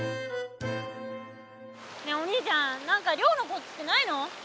ねえお兄ちゃん何か漁のコツってないの？